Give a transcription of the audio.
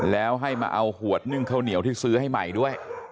แล้วให้มาเอาขวดนึ่งข้าวเหนียวที่ซื้อให้ใหม่ด้วย